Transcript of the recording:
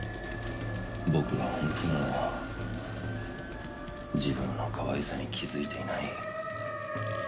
僕が本気なのは自分のかわいさに気づいていない君だけだ。